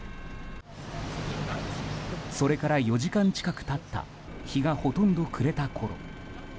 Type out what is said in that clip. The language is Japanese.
それから４時間近く経った日がほとんど暮れたころ